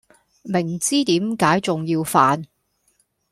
明知點解重要犯?